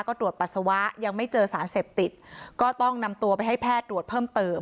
ก็ตรวจปัสสาวะยังไม่เจอสารเสพติดก็ต้องนำตัวไปให้แพทย์ตรวจเพิ่มเติม